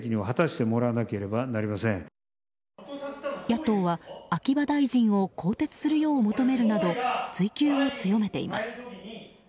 野党は秋葉大臣を更迭するよう求めるなど追及を強めています。